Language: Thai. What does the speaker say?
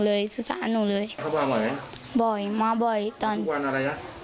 เลยสื่อฝันหนูเลยเขามาบ่อยมาบ่อยตอนวันอะไรน่ะ